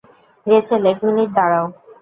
Rachel, এক minute দাঁড়াও।